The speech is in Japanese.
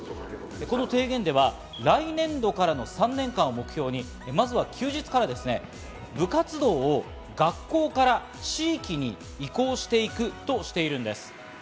この提言では来年度からの３年間を目標に、まずは休日からです、部活動を学校から地域に移行していくとしているんです。